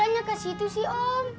jalannya kesitu sih om